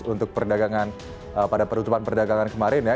untuk perdagangan pada penutupan perdagangan kemarin ya